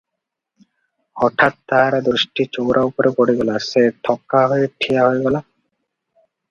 ହଠାତ୍ ତାହାର ଦୃଷ୍ଟି ଚଉରା ଉପରେ ପଡ଼ିଗଲା, ସେ ଥକାହୋଇ ଠିଆ ହୋଇଗଲା ।